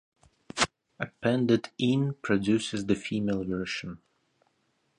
Appended "-in" produces the female version.